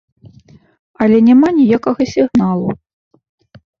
Але няма ніякага сігналу.